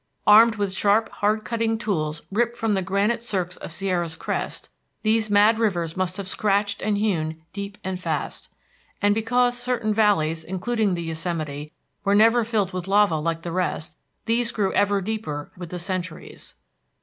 Armed with sharp hard cutting tools ripped from the granite cirques of Sierra's crest, these mad rivers must have scratched and hewn deep and fast. And because certain valleys, including the Yosemite, were never filled with lava like the rest, these grew ever deeper with the centuries.